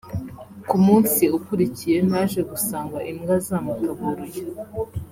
ku munsi ukurikiye naje gusanga imbwa zamutaburuye